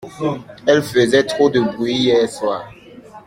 Elle faisait trop de bruit hier soir.